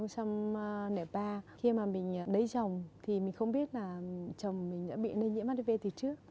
năm hai nghìn ba khi mà mình lấy chồng thì mình không biết là chồng mình đã bị lây nhiễm hát đi vê từ trước